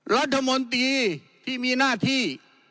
รัฐมนตรีที่มีหน้าที่